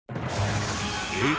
えっ？